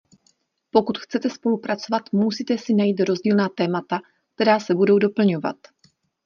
Pokud chcete spolupracovat, musíte si najít rozdílná témata, která se budou doplňovat.